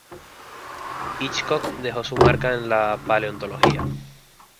Hitchcock dejó su marca en la paleontología.